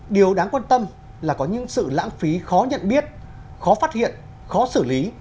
điều đáng quan tâm là có những sự lãng phí khó nhận biết khó phát hiện khó xử lý